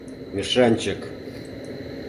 Мешанчык!